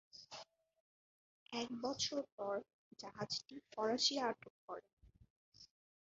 এক বছর পর জাহাজটি ফরাসিরা আটক করে।